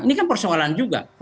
ini kan persoalan juga